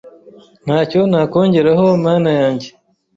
Ntacyo nakongeraho mana yanjye.